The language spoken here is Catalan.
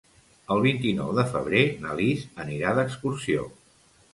El vint-i-nou de febrer na Lis anirà d'excursió.